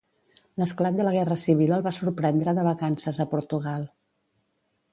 L'esclat de la guerra civil el va sorprendre de vacances a Portugal.